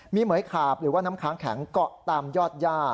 มีเหมือยขาบหรือว่าน้ำค้างแข็งเกาะตามยอดย่า